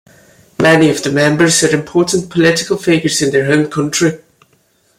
Many of the members are important political figures in their home country.